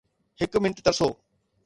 هڪ منٽ ترسو